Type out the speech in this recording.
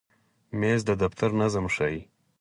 مېز د دفتر نظم ښیي.